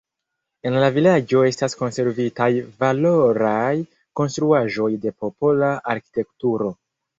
En la vilaĝo estas konservitaj valoraj konstruaĵoj de popola arkitekturo.